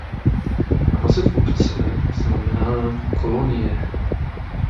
Název obce znamená "kolonie".